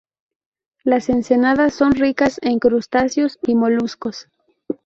Las ensenadas son ricas en crustáceos y moluscos.